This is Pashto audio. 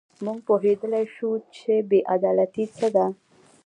موږ پوهېدلای شو چې بې عدالتي څه ده.